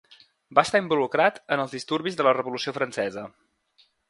Va estar involucrat en els disturbis de la Revolució Francesa.